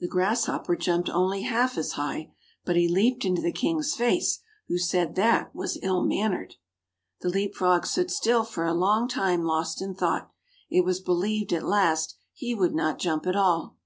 The Grasshopper jumped only half as high; but he leaped into the King's face, who said that was ill mannered. The Leap frog stood still for a long time lost in thought; it was believed at last he would not jump at all.